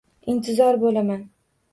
Intizor bo’laman